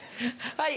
はい。